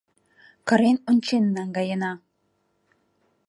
Кырен ончен наҥгаена.